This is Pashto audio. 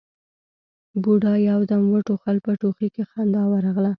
بوډا يو دم وټوخل، په ټوخي کې خندا ورغله: